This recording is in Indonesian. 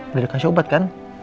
udah dikasih obat kan